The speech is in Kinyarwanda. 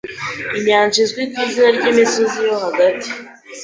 Inyanja izwi ku izina ry'imisozi yo hagati